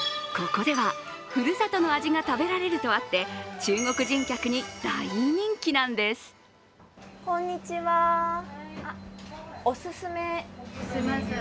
ここでは、ふるさとの味が食べられるとあって中国人客に大人気なんです。